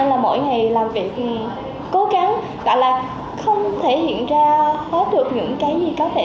là mỗi ngày làm việc thì cố gắng gọi là không thể hiện ra hết được những cái gì có thể